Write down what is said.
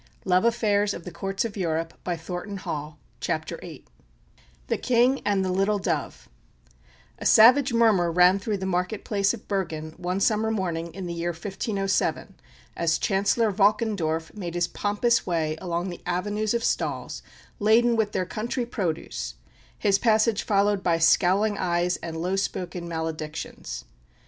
Thus in mystery her life opened, and in secrecy it closed. CHAPTER VIII THE KING AND THE "LITTLE DOVE" A savage murmur ran through the market place of Bergen, one summer morning in the year 1507, as Chancellor Valkendorf made his pompous way along the avenues of stalls laden with their country produce, his passage followed by scowling eyes and low spoken maledictions.